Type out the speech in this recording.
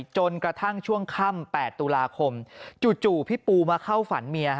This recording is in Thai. จนกระทั่งช่วงค่ำ๘ตุลาคมจู่พี่ปูมาเข้าฝันเมีย